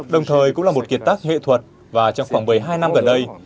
đồng thời cũng là một kiệt tác nghệ thuật và trong khoảng một mươi hai năm gần đây